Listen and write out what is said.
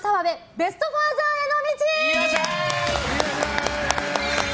ベストファーザーへの道！